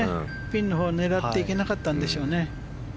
ピンのほう狙っていけなかったんでしょう。